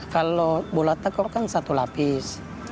kalau bola tekor kan satu lapis